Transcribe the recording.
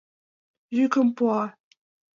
Йӱкым пуа!..